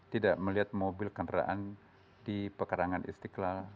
tidak melihat mobil kendaraan di pekarangan istiqlal